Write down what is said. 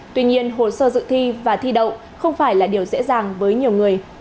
tuy nhiên hồ sơ dự thi và thi đậu không phải là điều dễ dàng với nhiều người